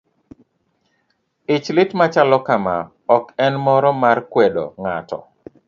Ich lit machalo kama ok en moro mar kwedo ng'ato.